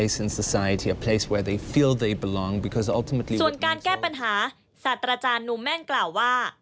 ส่วนการแก้ปัญหาสัตว์อาจารย์หนูแม่นกล่าวว่า